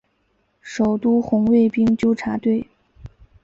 首都红卫兵纠察队。